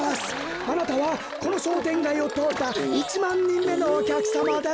あなたはこのしょうてんがいをとおった１まんにんめのおきゃくさまです！